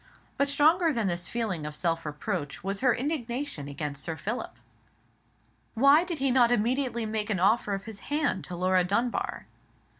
But stronger than this feeling of self reproach was her indignation against Sir Philip. Why did he not immediately make an offer of his hand to Laura Dunbar?